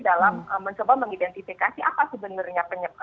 dalam mencoba mengidentifikasi apa sebenarnya